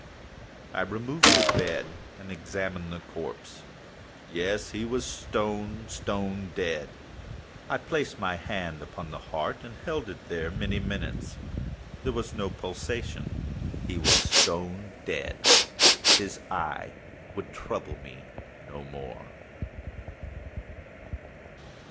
I removed the bed and examined the corpse. Yes, he was stone, stone dead. I placed my hand upon the heart and held it there many minutes. There was no pulsation. He was stone dead. His eye would trouble me no more.